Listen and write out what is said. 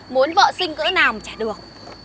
muốn vợ sinh cỡ nào mà trả được